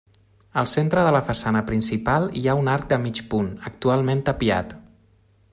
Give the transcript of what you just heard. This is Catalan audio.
Al centre de la façana principal hi ha un arc de mig punt, actualment tapiat.